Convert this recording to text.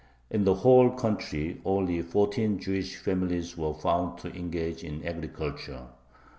In the whole country only fourteen Jewish families were found to engage in agriculture.